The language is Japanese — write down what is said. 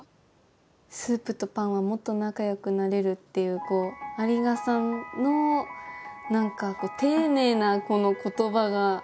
「スープとパンはもっと仲よくなれる」っていう有賀さんの何か丁寧なこの言葉がいいですね。